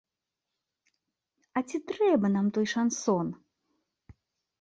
А ці трэба нам той шансон?